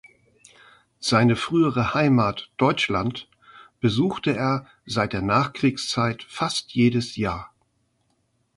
Seine frühere Heimat Deutschland besuchte er seit der Nachkriegszeit fast jedes Jahr.